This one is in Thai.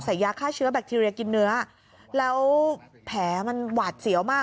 ยาฆ่าเชื้อแบคทีเรียกินเนื้อแล้วแผลมันหวาดเสียวมาก